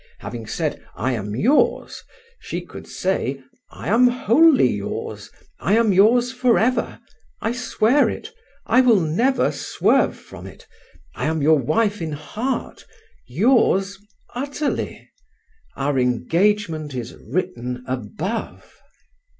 Having said, I am yours, she could say, I am wholly yours, I am yours forever, I swear it, I will never swerve from it, I am your wife in heart, yours utterly; our engagement is written above.